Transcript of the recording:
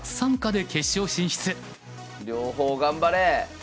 両方頑張れ！